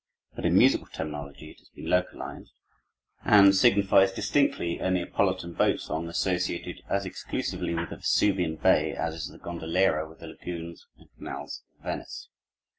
But in musical terminology it has been localized and signifies distinctly a Neapolitan boat song associated as exclusively with the Vesuvian bay as is the gondoliera with the lagoons and canals of Venice.